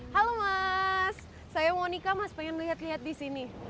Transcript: halo mas saya monika mas pengen lihat lihat di sini